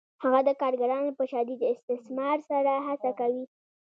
هغه د کارګرانو په شدید استثمار سره هڅه کوي